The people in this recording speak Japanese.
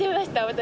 私。